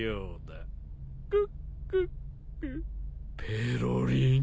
ペロリン。